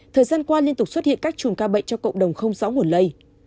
thời gian qua liên tục xuất hiện các chùm ca bệnh cho cộng đồng không rõ nguồn lây